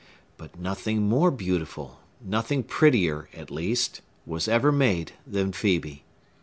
But nothing more beautiful—nothing prettier, at least—was ever made than Phœbe.